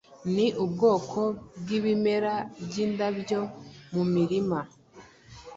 ni ubwoko bwibimera byindabyo mumirima